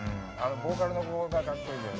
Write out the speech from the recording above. ボーカルの子がかっこいいんだよ。